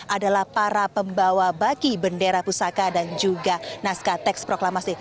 adalah para pembawa baki bendera pusaka dan juga naskah teks proklamasi